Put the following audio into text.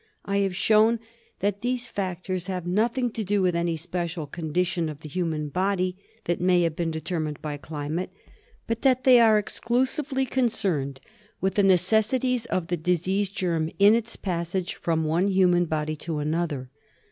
I have shown that these factors have nothing to do with any special condition of the human body that may have been determined by climate, but that they are exclusively concerned with the necessities of the disease germ in its passage from one human body to another.